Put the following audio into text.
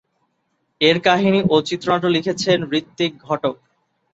এর কাহিনি ও চিত্রনাট্য লিখেছেন ঋত্বিক ঘটক।